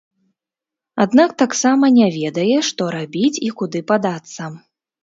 Аднак таксама не ведае, што рабіць і куды падацца.